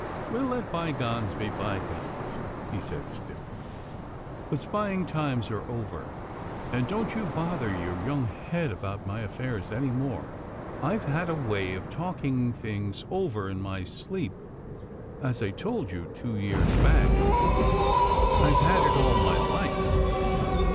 " We'll let bygones be bygones," he said, stiffly, " but spying times are over, and don't you bother your young head about my affairs any more. I've had a way of talking things over in my sleep, as I told you two years back — I've had it all my life.